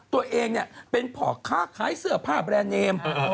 ตัวเองเนี่ยเป็นผ่าคาดคล้ายเสื้อผ้าแบรนด์เนม